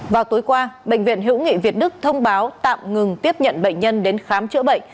vào tối qua bệnh viện hữu nghị việt đức thông báo tạm ngừng tiếp nhận bệnh nhân đến khám chữa bệnh